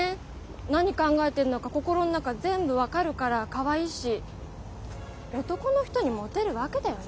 何考えてんのか心の中全部分かるからかわいいし男の人にもてるわけだよね。